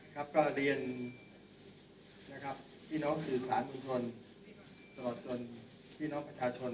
ก็เรียนพี่น้องสื่อสารมุมชนตลอดจนพี่น้องประชาชน